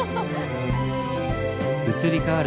移り変わる